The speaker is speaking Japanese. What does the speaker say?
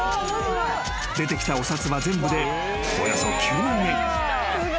［出てきたお札は全部でおよそ９万円］